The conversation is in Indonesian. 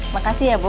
makasih ya bu